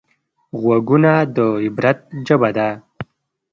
غوږونه د عبرت ژبه ده